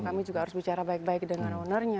kami juga harus bicara baik baik dengan ownernya